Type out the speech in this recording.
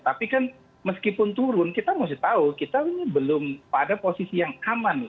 tapi kan meskipun turun kita mesti tahu kita ini belum pada posisi yang aman nih